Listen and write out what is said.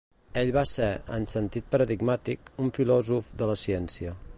Ell va ser, en sentit paradigmàtic, un filòsof de la ciència.